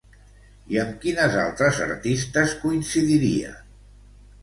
I amb quines altres artistes coincidiria?